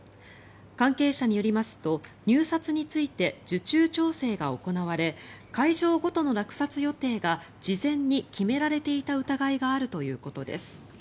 関係者によりますと入札について受注調整が行われ会場ごとの落札予定が事前に決められていた疑いがあるということです。